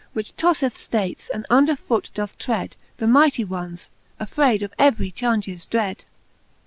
Which tofleth ftates, and under foot doth tread The mightie ones, affrayd of every chaunges dread.